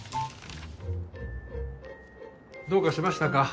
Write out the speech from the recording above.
どうかしましたか？